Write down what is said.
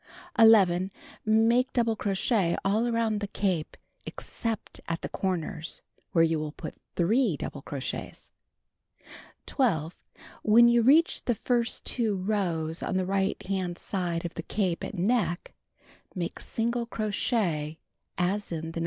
11. Make (l()ul)le crochet all around the cape except at tiie corners, where you will put 3 double crochets. 12. When you reach the first 2 rows on the right hand side of the cape at neck, make single crochet as in the No.